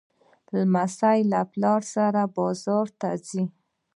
لمسی له پلار سره بازار ته ځي.